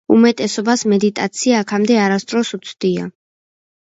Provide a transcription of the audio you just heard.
უმეტესობას, მედიტაცია აქამდე არასდროს უცდია.